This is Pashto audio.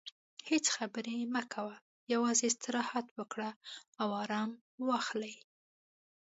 هیڅ خبرې مه کوه، یوازې استراحت وکړه او ارام واخلې.